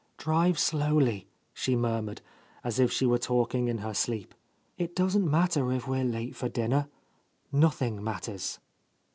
"Drive slowly," she mur mured, as if she were talking in her sleep. "It doesn't matter if we are late for dinner. Noth ing matters."